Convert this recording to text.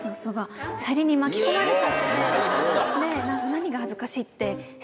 何が恥ずかしいって。